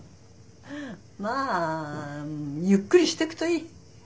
まあゆっくりしてくといい。